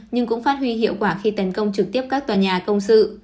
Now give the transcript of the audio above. nhưng cũng phát huy hiệu quả khi tấn công trực tiếp các tòa nhà công sự